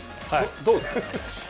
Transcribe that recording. どうですかね。